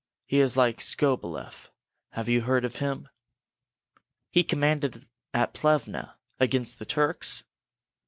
He is like Skobeleff. Have you heard of him?" "He commanded at Plevna, against the Turks?"